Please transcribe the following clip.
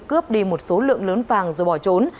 cướp đi một số lượng lớn vàng rồi bỏ trốn